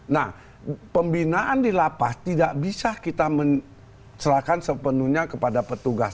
nah pembinaan di lapas tidak bisa kita mencerahkan sepenuhnya kepada petugas